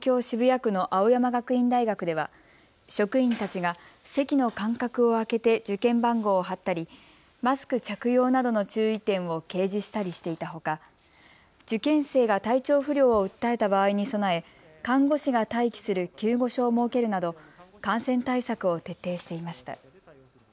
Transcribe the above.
渋谷区の青山学院大学では職員たちが席の間隔を空けて受験番号を貼ったりマスク着用などの注意点を掲示したりしていたほか受験生が体調不良を訴えた場合に備え看護師が待機する救護所を設けるなど感染対策を徹底していました。